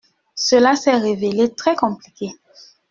Cela s’est révélé très compliqué.